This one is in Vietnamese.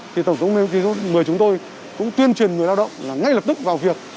thì tổng thống người chúng tôi cũng tuyên truyền người lao động là ngay lập tức vào việc